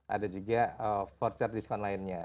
ada juga voucher diskon lainnya